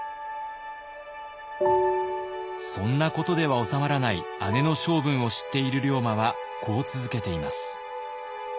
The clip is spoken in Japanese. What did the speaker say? そんなことではおさまらない姉の性分を知っている龍馬はこう続けています。